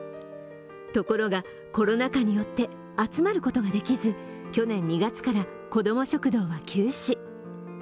ところが、コロナ禍によって集まることができず去年２月からこども食堂は休止。